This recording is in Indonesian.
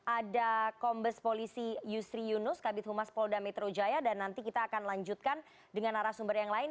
ada kombes polisi yusri yunus kabit humas polda metro jaya dan nanti kita akan lanjutkan dengan narasumber yang lain